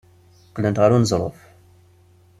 Qqlent ɣer uneẓruf.